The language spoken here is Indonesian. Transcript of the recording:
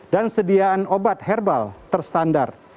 dan sediaan obat herbal terstandar